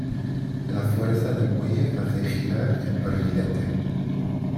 La fuerza del muelle hace girar el barrilete.